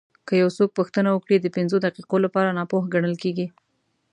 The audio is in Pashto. که یو څوک پوښتنه وکړي د پنځو دقیقو لپاره ناپوه ګڼل کېږي.